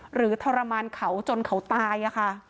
หรือทรมานเขาจนเขาตาย